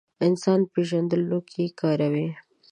انسان پېژندلو کې کاروي.